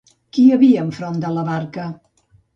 Qui hi havia enfront de la barca?